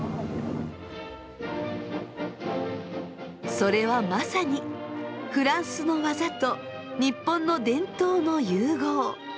それはまさにフランスの技と日本の伝統の融合。